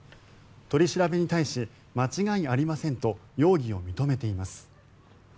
取り調べに対し間違いありませんと容疑を認めています。